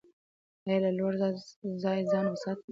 ایا له لوړ ځای ځان وساتم؟